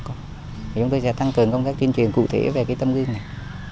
chúng tôi sẽ tăng cường công tác truyền truyền cụ thể về cái tâm linh này